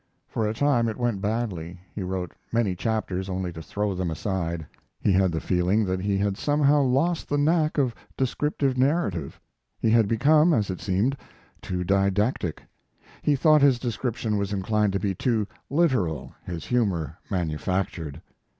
For a time it went badly. He wrote many chapters, only to throw them aside. He had the feeling that he had somehow lost the knack of descriptive narrative. He had become, as it seemed, too didactic. He thought his description was inclined to be too literal, his humor manufactured.